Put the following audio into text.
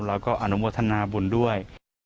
แล้วก็อนุโมทนาบุญด้วย